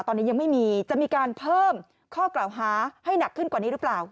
ตอนนี้ยังไม่มีจะมีการเพิ่มข้อกล่าวหาให้หนักขึ้นกว่านี้หรือเปล่า